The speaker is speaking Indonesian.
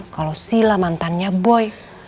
kalau sila mantannya boy